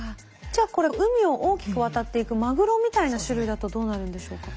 じゃあこれ海を大きく渡っていくマグロみたいな種類だとどうなるんでしょうか？